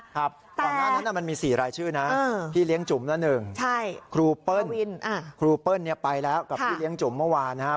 ครับตอนนั้นน่ะมันมี๔รายชื่อนะพี่เลี้ยงจุ๋มแล้วหนึ่งครูเปิ้ลครูเปิ้ลเนี่ยไปแล้วกับพี่เลี้ยงจุ๋มเมื่อวานนะฮะ